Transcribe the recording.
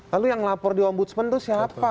lalu yang lapor di ombudsman itu siapa